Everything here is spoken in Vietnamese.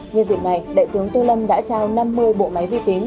nhân dịp này đại tướng tô lâm đã trao năm mươi bộ máy vi tính